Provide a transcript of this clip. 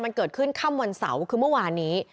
มันเกิดขึ้นค่ำวันเสาร์คือเมื่อวานนี้